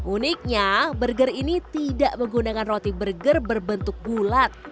uniknya burger ini tidak menggunakan roti burger berbentuk bulat